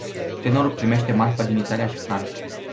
Tânărul primește marfa din Italia și Franța.